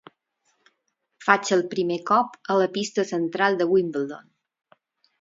Faig el primer cop a la pista central de Wimbledon.